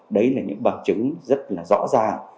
đấy là những bằng chứng rất là rõ ràng